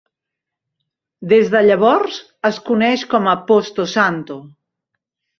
Des de llavors, es coneix com a Posto Santo.